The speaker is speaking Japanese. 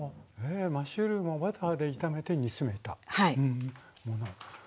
マッシュルームをバターで炒めて煮詰めたもの。